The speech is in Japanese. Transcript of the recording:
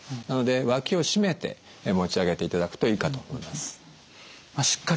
なので脇を締めて持ち上げていただくといいかと思います。